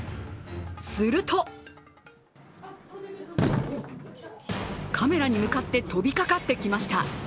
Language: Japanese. するとカメラに向かって飛びかかってきました。